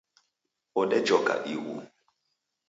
Odejoka ighu